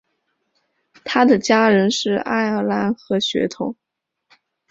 他的家人是爱尔兰和血统。